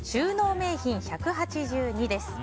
名品１８２です。